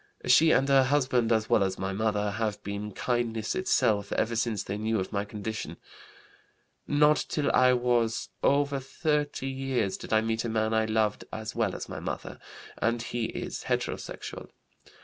She and her husband as well as my mother have been kindness itself ever since they knew of my condition. Not till I was over 30 years did I meet a man I loved as well as my mother, and he is heterosexual.